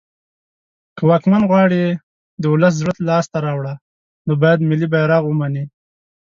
که واکمن غواړی د ولس زړه لاس ته راوړی نو باید ملی بیرغ ومنی